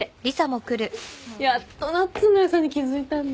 やっとなっつんの良さに気付いたんだ。